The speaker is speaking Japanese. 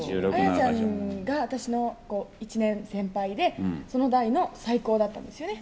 彩ちゃんが私の１年先輩で、その代の最高だったんですよね。